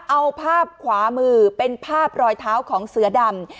เอาภาพขวามือเป็นภาพรอยเท้าของเสือดำ